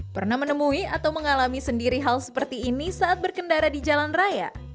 pernah menemui atau mengalami sendiri hal seperti ini saat berkendara di jalan raya